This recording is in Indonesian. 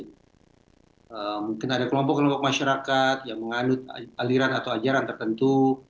mungkin ada kelompok kelompok masyarakat yang menganut aliran atau ajaran tertentu